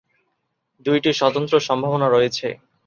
দুইটি স্বতন্ত্র সম্ভাবনা রয়েছে।